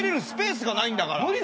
スペースがないんだから。